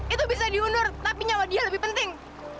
itu bisa diundur tapi nyawa dia lebih penting